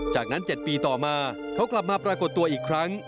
จากนั้น๗ปีต่อมาเขากลับมาปรากฏตัวอีกครั้ง